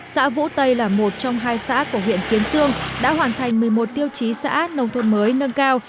xã vũ tây là một trong hai xã của huyện kiến sương đã hoàn thành một mươi một tiêu chí xã nông thôn mới nâng cao